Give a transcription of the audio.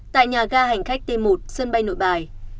tại nhà ga hành khách t một sân bay nội bài